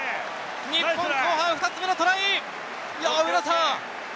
日本後半２つ目のトライ！